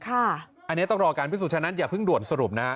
อันนี้ต้องรอการพิสูจนฉะนั้นอย่าเพิ่งด่วนสรุปนะฮะ